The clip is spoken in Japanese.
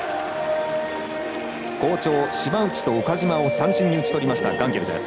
好調、島内と岡島を三振に打ち取ったガンケルです。